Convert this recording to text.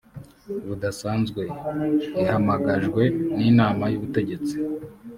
budasanzwe ihamagajwe n inama y ubutegetsi